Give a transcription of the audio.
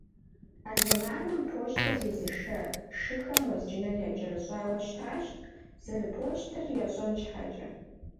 А зэманым пощтыр зезышэ шыхэм уэзджынэ якӏэрыщӏауэ щытащ, зэрыпощтыр ящӏэн щхьэкӏэ.